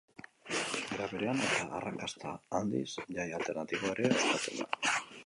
Era berean eta arrakasta handiz Jai Alternatiboa ere ospatzen da.